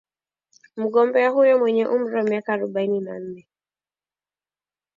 Mgombea huyo mwenye umri wa miaka arubaini na nne